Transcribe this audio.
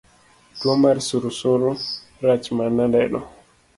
Tuo mar surusuru rach manadeno